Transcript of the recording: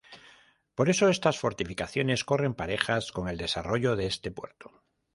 Por eso estas fortificaciones corren parejas con el desarrollo de este puerto.